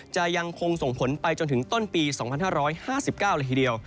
ยังคงส่งผลไปจนถึงต้นปี๒๕๕๙เลยทีเดียว